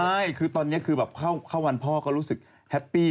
ใช่คือตอนนี้คือแบบเข้าวันพ่อก็รู้สึกแฮปปี้